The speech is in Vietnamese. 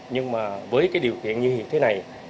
nhưng mà với điều kiện như thế này